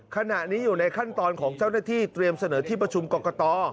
ขณะนี้อยู่ในขั้นตอนของเจ้าหน้าที่เตรียมเสนอที่ประชุมกรกต